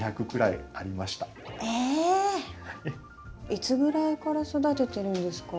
いつぐらいから育ててるんですか？